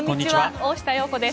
大下容子です。